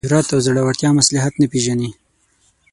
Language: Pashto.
جرات او زړورتیا مصلحت نه پېژني.